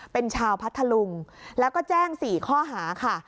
เป็นชาวพัทธลุงแล้วก็แจ้ง๔ข้อหาค่ะ